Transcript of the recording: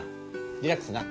リラックスな。